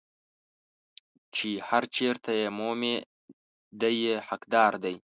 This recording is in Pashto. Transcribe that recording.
چې هر چېرته یې مومي دی یې حقدار دی.